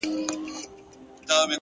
هره ورځ نوی درس وړاندې کوي,